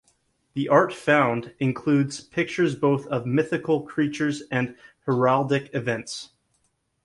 The art found includes pictures both of mythical creatures and heraldic events.